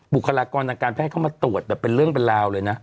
บุคลากรทางการแพทย์เข้ามาตรวจแบบเป็นเรื่องเป็นราวเลยนะ